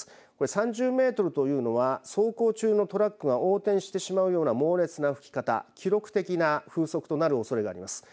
３０メートルというのは走行中のトラックが横転してしまうような猛烈な吹き方、記録的な風速となるおそれがあります。